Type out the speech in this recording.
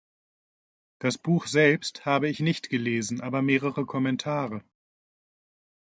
Das Buch selbst habe ich nicht gelesen, aber mehrere Kommentare.